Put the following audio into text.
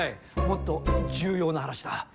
もっと重要な話だ。